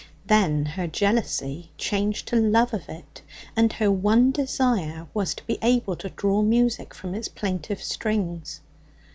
Then her jealousy changed to love of it, and her one desire was to be able to draw music from its plaintive strings.